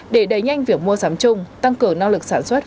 để đẩy nhanh việc mua sắm chung tăng cường năng lực sản xuất